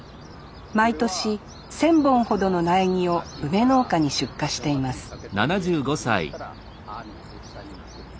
毎年１，０００本ほどの苗木を梅農家に出荷しています